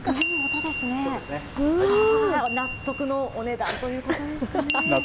納得のお値段ということですかね。